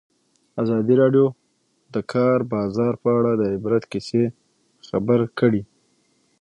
ازادي راډیو د د کار بازار په اړه د عبرت کیسې خبر کړي.